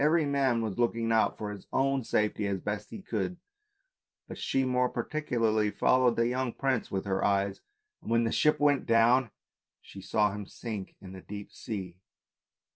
Every man was looking out for his own safety as best he could, but she more particularly followed the young prince with her eyes, and when the ship went down she saw him sink in the deep sea.